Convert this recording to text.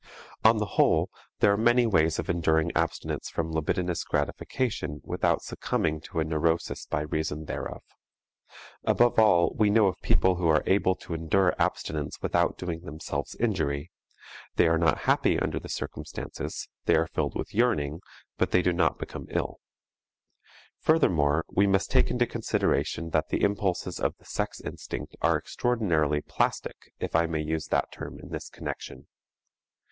On the whole there are many ways of enduring abstinence from libidinous gratification without succumbing to a neurosis by reason thereof. Above all we know of people who are able to endure abstinence without doing themselves injury; they are not happy under the circumstances, they are filled with yearning, but they do not become ill. Furthermore, we must take into consideration that the impulses of the sex instinct are extraordinarily plastic, if I may use that term in this connection.